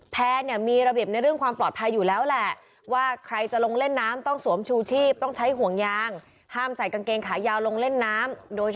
แพ้มีระเบียบในเรื่องความปลอดภัยอยู่แล้วแหละ